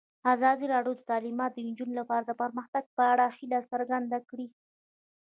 ازادي راډیو د تعلیمات د نجونو لپاره د پرمختګ په اړه هیله څرګنده کړې.